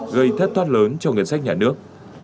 gây thất thoát lớn cho ngân sách nhà nước